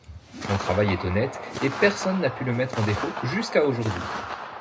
Mon travail est honnête et personne n’a pu le mettre en défaut jusqu’à aujourd’hui.